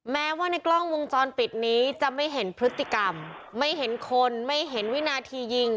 แม้ว่าในกล้องวงจรปิดนี้จะไม่เห็นพฤติกรรมไม่เห็นคนไม่เห็นวินาทียิง